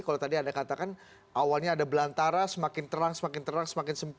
kalau tadi anda katakan awalnya ada belantara semakin terang semakin terang semakin sempit